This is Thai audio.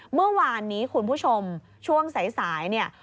เมื่อวานนี้คุณผู้ชมช่วงสายเนี่ย